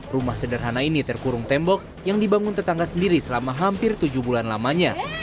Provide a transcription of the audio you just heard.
rumah sederhana ini terkurung tembok yang dibangun tetangga sendiri selama hampir tujuh bulan lamanya